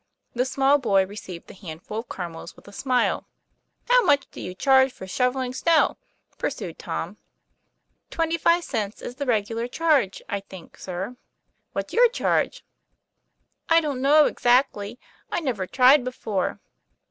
The small boy received the handful of caramels with a smile. 'How much do you 'charge for shovelling snow?'" pursued Tom. TOM PLAYFAIR. 173 " Twenty five cents is the regular charge, I think, sir." "What's your charge?'* "I don't know, exactly. I never tried before."